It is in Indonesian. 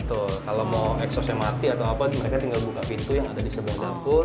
betul kalau mau eksosnya mati atau apa mereka tinggal buka pintu yang ada di sebelah dapur